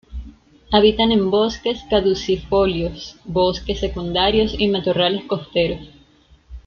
Habitan en bosques caducifolios, bosques secundarios y matorrales costeros.